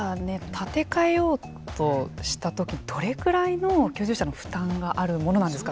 建て替えようとした時どれくらいの居住者の負担があるものなんですか？